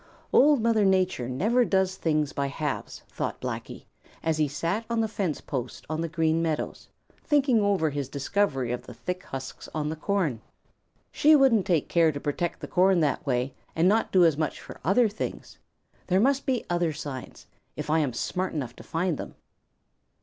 "Old Mother Nature never does things by halves," thought Blacky, as he sat on the fence post on the Green Meadows, thinking over his discovery of the thick husks on the corn. "She wouldn't take care to protect the corn that way and not do as much for other things. There must be other signs, if I am smart enough to find them."